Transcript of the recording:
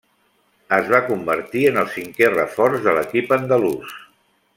Es va convertir en el cinquè reforç de l'equip andalús.